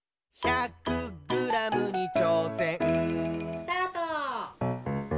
・スタート！